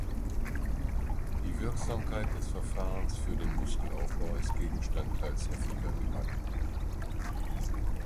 Die Wirksamkeit des Verfahrens für den Muskelaufbau ist Gegenstand teils heftiger Debatten.